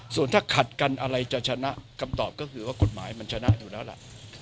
ส่วนถ้าขัดกันอะไรจะชนะคำตอบก็คือว่ากฎหมายมันชนะอยู่แล้วล่ะ